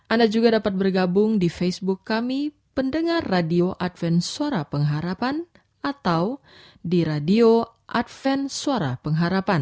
anda juga dapat bergabung di facebook kami pendengar radio adventsuara pengharapan atau di radio adventsuara pengharapan